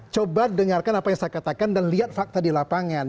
coba dengarkan apa yang saya katakan dan lihat fakta di lapangan